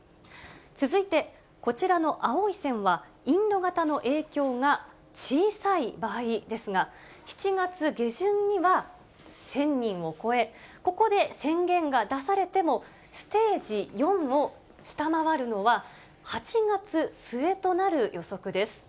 続いて、こちらの青い線は、インド型の影響が小さい場合ですが、７月下旬には、１０００人を超え、ここで宣言が出されても、ステージ４を下回るのは８月末となる予測です。